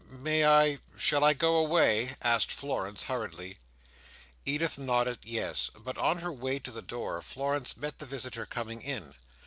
"May I—shall I go away?" asked Florence, hurriedly. Edith nodded yes, but on her way to the door Florence met the visitor coming in.